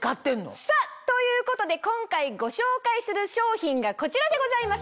さぁということで今回ご紹介する商品がこちらでございます。